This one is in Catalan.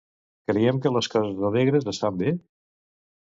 Creiem que les coses alegres ens fan bé?